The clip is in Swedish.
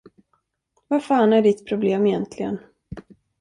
Vad fan är ditt problem egentligen?